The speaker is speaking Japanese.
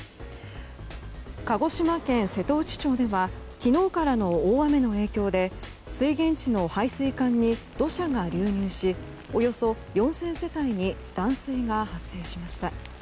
鹿児島県瀬戸内町では昨日からの大雨の影響で水源地の配水管に土砂が流入しおよそ４０００世帯に断水が発生しました。